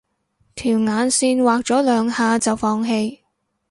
條眼線畫咗兩下就放棄